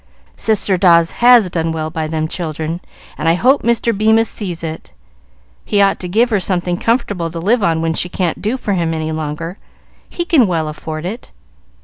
"Sister Dawes has done well by them children, and I hope Mr. Bemis sees it. He ought to give her something comfortable to live on when she can't do for him any longer. He can well afford it."